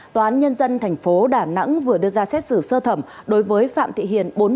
toán nhân dân thành phố đà nẵng vừa đưa ra xét xử sơ thẩm đối với phạm thị hiền